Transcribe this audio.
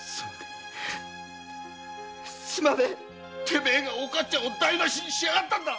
てめぇがおかつさんを台なしにしやがったんだ